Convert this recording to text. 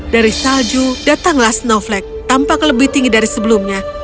dari salju datanglah snowflake tampak lebih tinggi dari sebelumnya